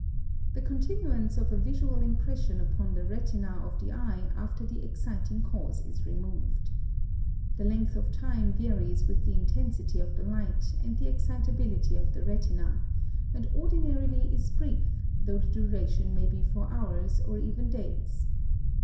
The continuance of a visual impression upon the retina of the eye after the exciting cause is removed. The length of time varies with the intensity of the light and the excitability of the retina, and ordinarily is brief, though the duration may be for hours, or even days.